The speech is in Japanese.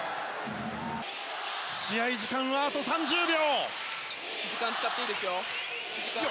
試合時間は、あと３０秒。